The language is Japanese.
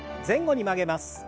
前後に曲げます。